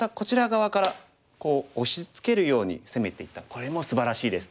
これもすばらしいです。